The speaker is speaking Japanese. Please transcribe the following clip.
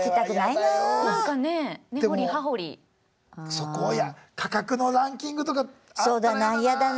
そこをいや価格のランキングとかあったらやだな。